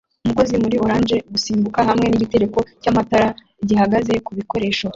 Umukozi muri orange gusimbuka hamwe nigitereko cyamatara gihagaze kubikoresho